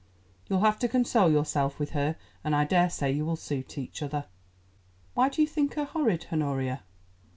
You'll have to console yourself with her, and I daresay you will suit each other." "Why do you think her horrid, Honoria?"